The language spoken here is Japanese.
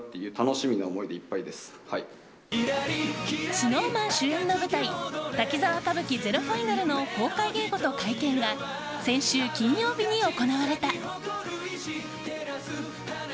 ＳｎｏｗＭａｎ主演の舞台「滝沢歌舞伎ＺＥＲＯＦＩＮＡＬ」の公開稽古と会見が先週金曜日に行われた。